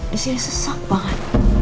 di sini sesak banget